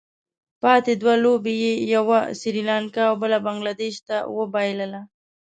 پاتې دوه لوبې یې یوه سري لانکا او بله بنګله دېش ته وبايلله.